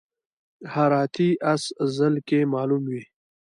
هراتی اس ځل کې معلوم وي.